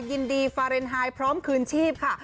ยินดีฟาเรนไทยพร้อมคืนชีพค่ะ